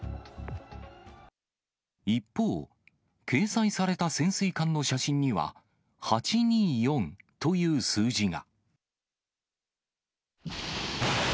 一方、掲載された潜水艦の写真には、８２４という数字が。